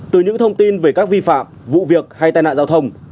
từ những thông tin về các vi phạm vụ việc hay tai nạn giao thông